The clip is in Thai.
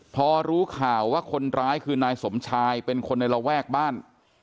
พอรู้ข่าวว่าคนร้ายคือนายสมชายเป็นคนในระแวกบ้าน